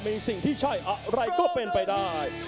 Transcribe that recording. มีสิ่งที่ใช่อะไรก็เป็นไปได้